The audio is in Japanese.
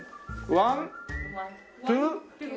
ワン。